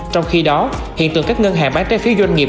trong khi đó hiện tượng các ngân hàng bán trái phiếu doanh nghiệp